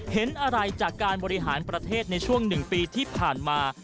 เห็นอะไรจากการบริหารประเทศในช่วง๑ปีที่ผ่านมา